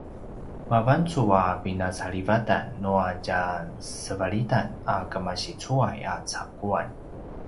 mavancu a pinacalivatan nua tjasevalitan a kemasicuay a caquan